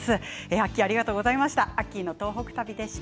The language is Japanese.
アッキーありがとうございました。